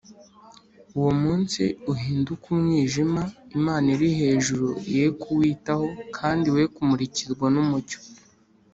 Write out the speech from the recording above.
uwo munsi uhinduke umwijima, imana iri hejuru ye kuwitaho, kandi we kumurikirwa n’umucyo